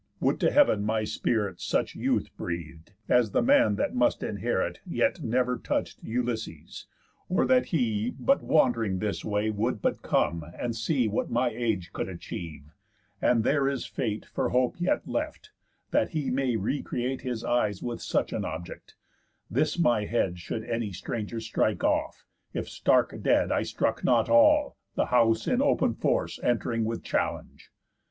Would to heav'n my spirit Such youth breath'd, as the man that must inherit Yet never touch'd Ulysses, or that he, But wand'ring this way, would but come, and see What my age could achieve (and there is Fate For Hope yet left, that he may recreate His eyes with such an object) this my head Should any stranger strike off, if stark dead I struck not all, the house in open force Ent'ring with challenge!